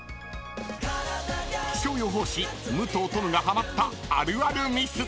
［気象予報士武藤十夢がはまったあるあるミス］